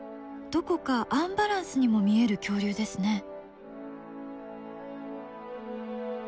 どこかアンバランスにも見える恐竜ですね。